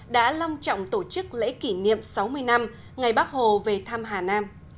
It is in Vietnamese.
đã long trọng tổ chức lễ kỷ niệm sáu mươi năm ngày bắc hồ về thăm hà nam